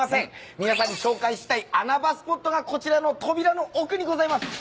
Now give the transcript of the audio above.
皆さんに紹介したい穴場スポットがこちらの扉の奥にございます。